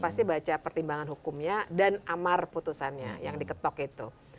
pasti baca pertimbangan hukumnya dan amar putusannya yang diketok itu